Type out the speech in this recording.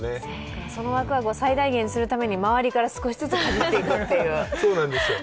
そのワクワクを最大限にするために周りから少しずつかじっていくという。